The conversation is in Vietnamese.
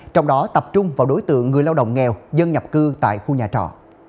trong đó tập trung vào đối tượng người lao động nghèo dân nhập cư tại khu nhà trọ